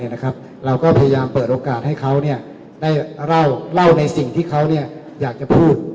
เราก็พยายามเปิดโอกาสให้เขาได้เล่าในสิ่งที่เขาอยากจะพูด